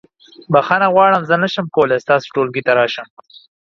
بخښنه غواړم زه نشم کولی ستاسو ټولګي ته راشم.